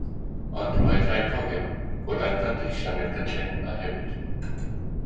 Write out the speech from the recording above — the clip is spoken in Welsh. Ond mae rhaid cofio fod anfanteision i'r cynllun yma hefyd